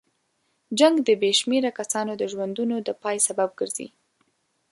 جنګ د بې شمېره کسانو د ژوندونو د پای سبب ګرځي.